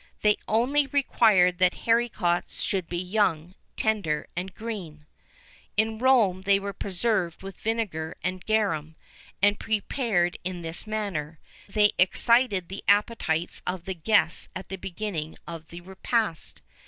They only required that haricots should be young, tender, and green.[VIII 23] In Rome they were preserved with vinegar and garum; and, prepared in this manner, they excited the appetites of the guests at the beginning of the repast.